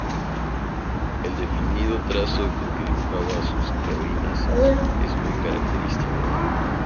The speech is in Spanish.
El definido trazo con que dibuja a sus heroínas es muy característico.